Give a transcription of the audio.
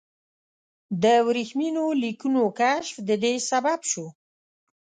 د ورېښمینو لیکونو کشف د دې سبب شو.